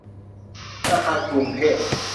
ธนาคารกรุงเทพ